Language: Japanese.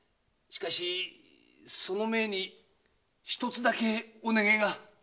しかしその前にひとつだけお願いが。